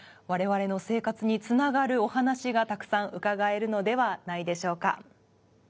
我々の生活に繋がるお話がたくさん伺えるのではないでしょうか。